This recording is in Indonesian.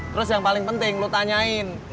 terus yang paling penting lu tanyain